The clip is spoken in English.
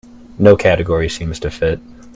No category seems to fit.